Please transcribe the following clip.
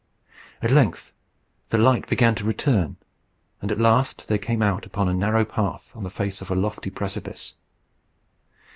At length the light began to return, and at last they came out upon a narrow path on the face of a lofty precipice.